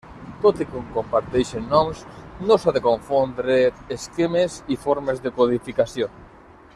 Tot i que comparteixen noms, no s'ha de confondre esquemes i formes de codificació.